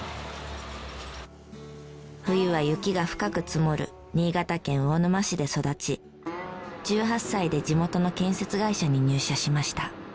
冬は雪が深く積もる新潟県魚沼市で育ち１８歳で地元の建設会社に入社しました。